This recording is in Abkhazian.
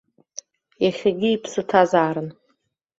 Иахьагьы иԥсы ҭазаарын.